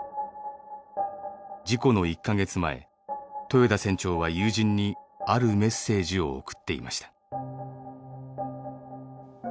事故の１カ月前豊田船長は友人にあるメッセージを送っていました。